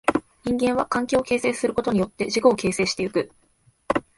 人間は環境を形成することによって自己を形成してゆく。